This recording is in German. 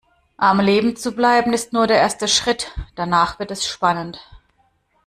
Am Leben zu bleiben ist nur der erste Schritt, danach wird es spannend.